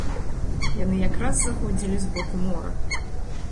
Яны якраз заходзілі з боку мора.